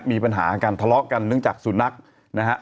มีปัญหาการทะเลาะกันเนื่องจากสุนัขนะฮะ